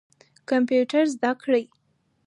کمپیوټر زده کړئ.